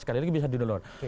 sekali lagi bisa di download